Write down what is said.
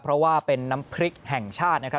เพราะว่าเป็นน้ำพริกแห่งชาตินะครับ